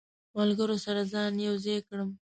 ملګرو سره ځان یو ځای کړم.